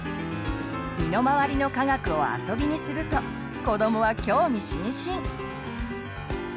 身のまわりの科学をあそびにすると子どもは興味津々！